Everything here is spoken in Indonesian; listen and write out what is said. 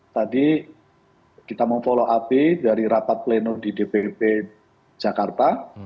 tadi kita memfollow api dari rapat pleno di dpp jakarta